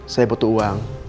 saya butuh uang